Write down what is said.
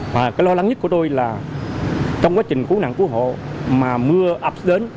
và cái lo lắng nhất của tôi là trong quá trình cứu nạn cứu hộ mà mưa ập đến